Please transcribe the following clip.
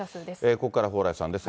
ここからは蓬莱さんです。